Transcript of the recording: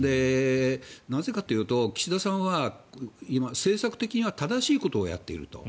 なぜかというと岸田さんは政策的には正しいことをやっていると。